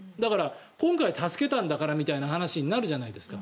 今回助けたんだからみたいな話になるわけじゃないですか。